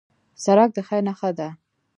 سړک د خیر نښه ده.